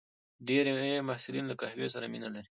ډېری محصلین له قهوې سره مینه لري.